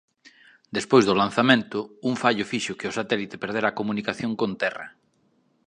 Despois do lanzamento un fallo fixo que o satélite perdera a comunicación con terra.